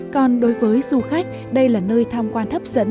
còn đối với du khách đây là nơi tham quan hấp dẫn